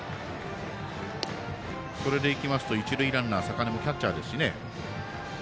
それでいきますと一塁ランナー、坂根もキャッチャーですしね。